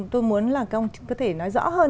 tôi muốn là ông có thể nói rõ hơn